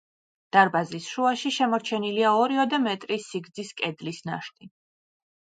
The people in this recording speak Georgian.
დარბაზის შუაში შემორჩენილია ორიოდე მეტრის სიგრძის კედლის ნაშთი.